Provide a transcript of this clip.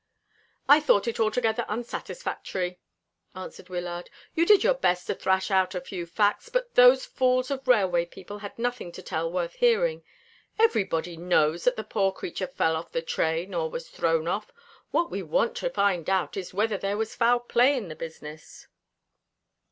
"I thought it altogether unsatisfactory," answered Wyllard. "You did your best to thrash out a few facts; but those fools of railway people had nothing to tell worth hearing. Everybody knows that the poor creature fell off the train or was thrown off. What we want to find out is whether there was foul play in the business."